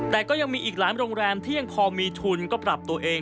แต่ก็ยังมีอีกหลายโรงแรมที่ยังพอมีทุนก็ปรับตัวเอง